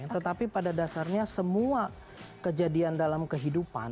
tetapi pada dasarnya semua kejadian dalam kehidupan